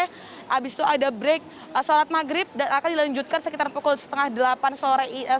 habis itu ada break sholat maghrib dan akan dilanjutkan sekitar pukul setengah delapan sore